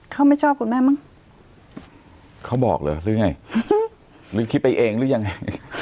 เขาไม่ชอบคุณแม่มั้งเขาบอกเหรอหรือไงหรือคิดไปเองหรือยังไง